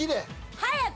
早く！